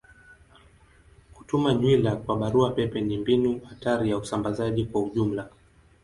Kutuma nywila kwa barua pepe ni mbinu hatari ya usambazaji kwa ujumla.